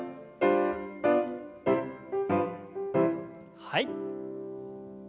はい。